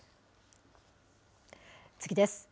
次です。